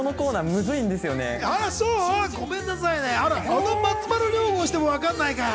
あの松丸亮吾をもってしてもわかんないかい？